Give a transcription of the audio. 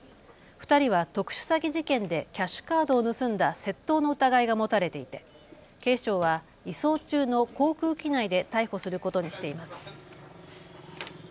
２人は特殊詐欺事件でキャッシュカードを盗んだ窃盗の疑いが持たれていて警視庁は移送中の航空機内で逮捕することにしています。